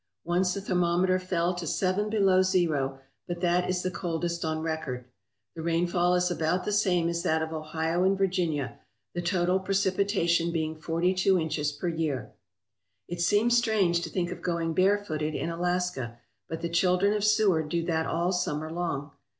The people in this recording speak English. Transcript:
Once the thermometer fell to seven below zero but that is the coldest on record. The rainfall is about the same as that of Ohio and Virginia, the total precipitation being forty two inches per year. It seems strange to think of going bare footed in Alaska, but the children of Seward do that all summer long.